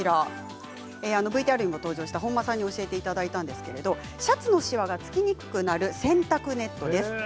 ＶＴＲにも登場した本間さんに教えていただいたんですけどシャツのしわがつきにくくなる洗濯ネットです。